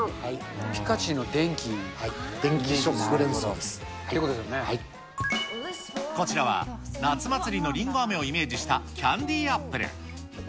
ピカチュウのでんきというここちらは夏祭りのりんごあめをイメージしたキャンディアップル。